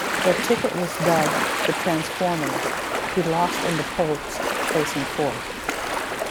Their ticket was dubbed "the Transformers"; he lost in the polls, placing fourth.